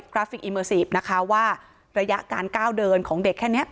ราฟิกอีเมอร์ซีฟนะคะว่าระยะการก้าวเดินของเด็กแค่นี้